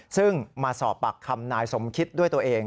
ซึ่งมาสอบปากคำนายสมคิดด้วยตัวเอง